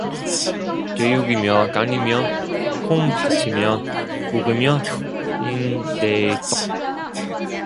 제육이며 간이며 콩팥이며 북어며 빈대떡